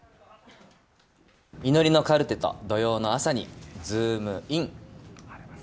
祈りのカルテと土曜の朝にズ